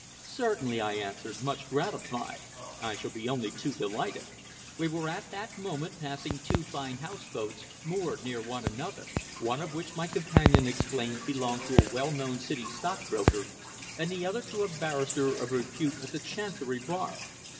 "Certainly," I answered, much gratified. "I shall be only too delighted." We were at that moment passing two fine house boats moored near one another, one of which my companion explained belonged to a well known City stockbroker, and the other to a barrister of repute at the Chancery Bar.